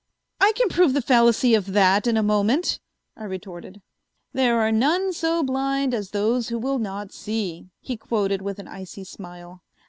"I can prove the fallacy of that in a moment," I retorted. "There are none so blind as those who will not see," he quoted with an icy smile.